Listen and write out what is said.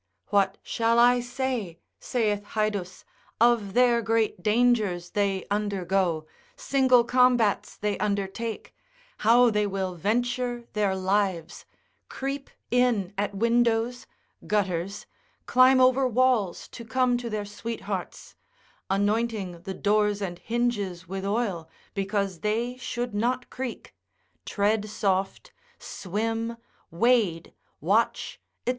What shall I say, saith Haedus, of their great dangers they undergo, single combats they undertake, how they will venture their lives, creep in at windows, gutters, climb over walls to come to their sweethearts, (anointing the doors and hinges with oil, because they should not creak, tread soft, swim, wade, watch, &c.)